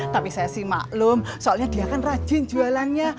tapi saya sih maklum soalnya dia kan rajin jualannya